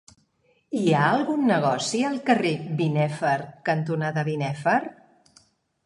Hi ha algun negoci al carrer Binèfar cantonada Binèfar?